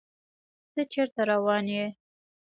ته چيرته روان يې